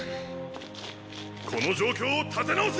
この状況を立て直す！